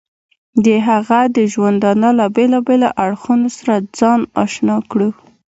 د هغه د ژوندانه له بېلابېلو اړخونو سره ځان اشنا کړو.